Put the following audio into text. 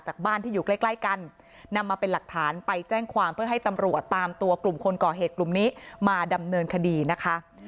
บ้านที่อยู่ใกล้ใกล้กันนำมาเป็นหลักฐานไปแจ้งความเพื่อให้ตำรวจตามตัวกลุ่มคนก่อเหตุกลุ่มนี้มาดำเนินคดีนะคะ